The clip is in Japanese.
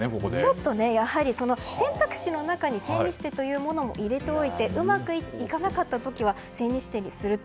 ちょっとやはり、選択肢の中に千日手というものも入れておいてうまくいかなかった時は千日手にすると。